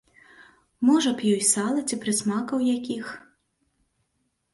Можа б, ёй сала ці прысмакаў якіх!